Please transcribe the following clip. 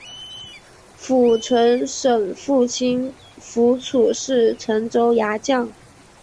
符存审父亲符楚是陈州牙将。